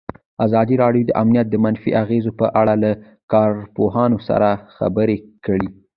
ازادي راډیو د امنیت د منفي اغېزو په اړه له کارپوهانو سره خبرې کړي.